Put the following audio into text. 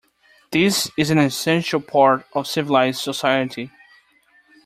This is an essential part of civilized society.